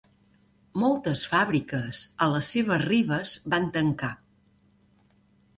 Moltes fàbriques a les seves ribes van tancar.